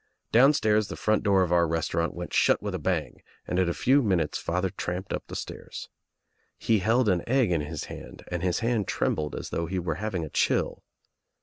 Downstairs the front door of our restaurant went shut with a bang and in a few minutes father tramped up the stairs. He held an egg in his hand and his hand trembled as though he were having a chill.